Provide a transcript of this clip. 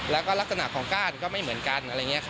แล้วก็ลักษณะของก้านก็ไม่เหมือนกัน